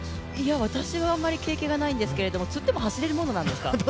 私はあまり経験ないんですけどつっても走れるものなんですか？